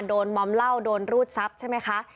มอมเหล้าโดนรูดทรัพย์ใช่ไหมคะ